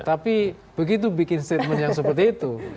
tapi begitu bikin statement yang seperti itu